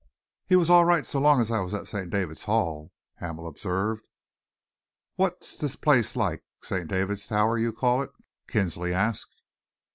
"He was all right so long as I was at St. David's Hall," Hamel observed. "What's this little place like St. David's Tower, you call it?" Kinsley asked.